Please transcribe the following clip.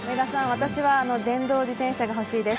私は電動自転車が欲しいです。